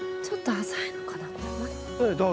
ちょっと浅いのかなこれ。